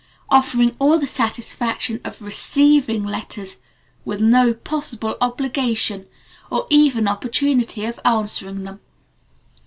Offering all the Satisfaction of receiving Letters with no Possible Obligation or even Opportunity of Answering Them.